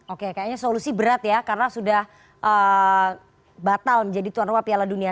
oke kayaknya solusi berat ya karena sudah batal menjadi tuan rumah piala dunia